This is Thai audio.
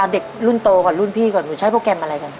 เด็กรุ่นโตก่อนรุ่นพี่ก่อนหนูใช้โปรแกรมอะไรก่อน